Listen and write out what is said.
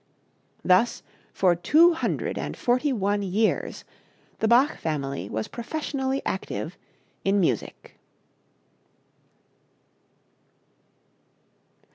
Thus for two hundred and forty one years the Bach family was professionally active in music.